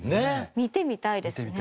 見てみたいよね。